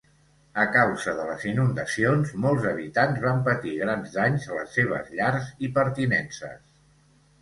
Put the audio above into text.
A causa de les inundacions, molts habitants van patir grans danys a les seves llars i pertinences.